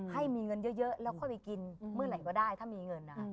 ให้มีเงินเยอะแล้วค่อยไปกินเมื่อไหร่ก็ได้ถ้ามีเงิน